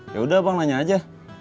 yaudah bang nanya aja